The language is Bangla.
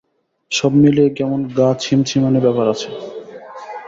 সব মিলিয়ে কেমন গা-ছিমছামানি ব্যাপার আছে।